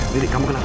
diri kamu kenapa